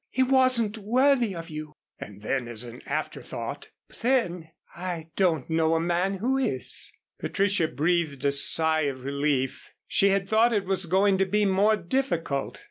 He wasn't worthy of you." And then, as an afterthought. "But then, I don't know a man who is." Patricia breathed a sigh of relief. She had thought it was going to be more difficult.